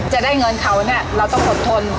จะได้เงินเขาเนี่ยเราต้องอดทน